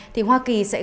thì hoa kỳ sẽ gửi đến